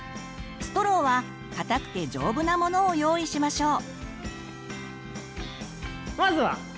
ストローは硬くて丈夫なものを用意しましょう。